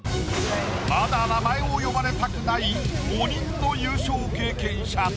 まだ名前を呼ばれたくない５人の優勝経験者たち。